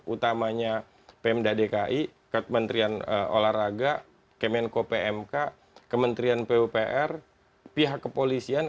utamanya pemda dki kementerian olahraga kemenko pmk kementerian pupr pihak kepolisian